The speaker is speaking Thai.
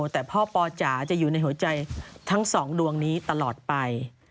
แต่พ่อปอจ๋าจะอยู่ในหัวใจทั้งสองดวงนี้ตลอดไป